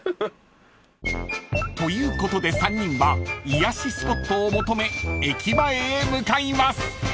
［ということで３人は癒やしスポットを求め駅前へ向かいます］